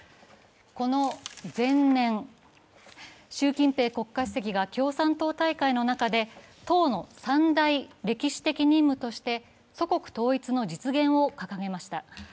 この前年、習近平国家主席が共産党大会の中で党の三大歴史的任務として祖国統一の実現を掲げました。